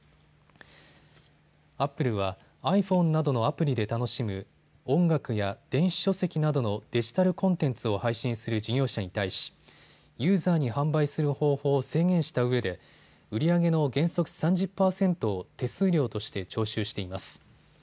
アップルはｉＰｈｏｎｅなどのアプリで楽しむ音楽や電子書籍などのデジタルコンテンツを配信する事業者に対しユーザーに販売する方法を制限したうえで売り上げの原則３０％を手数料として徴収しています。